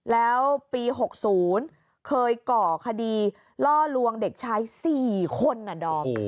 แล้วปี๖๐เคยก่อคดีล่อลวงเด็กชาย๔คนดอม